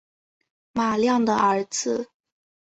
马亮的儿子